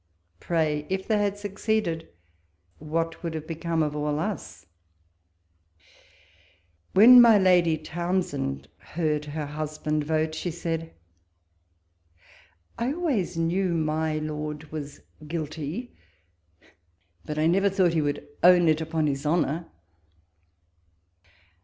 pray, if they had succeeded, what would have become of all ns:' " When my Lady Towns end heard her husband vote, she said, " I always knew my Lord was rinilty, but I never thought he would own it xipon his honour."